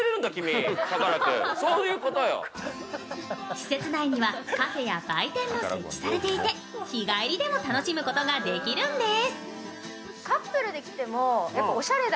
施設内にはカフェや売店も設置されていて日帰りでも楽しむことができるんです。